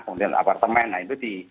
kemudian apartemen nah itu di